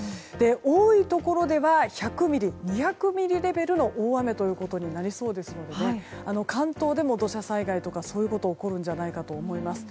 多いところでは１００ミリ、２００ミリレベルの大雨となりそうですので関東でも土砂災害とかそういうこと起こるんじゃないかと思います。